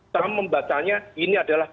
dalam membacanya ini adalah